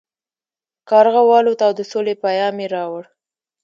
کارغه والوت او د سولې پیام یې راوړ.